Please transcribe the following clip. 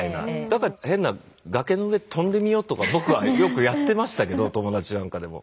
だから変な崖の上とんでみようとか僕はよくやってましたけど友達なんかでも。